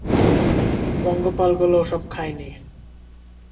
পঙ্গপালগুলো ওসব খায়নি।